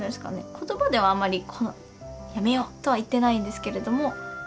言葉ではあんまりやめようとは言ってないんですけれども。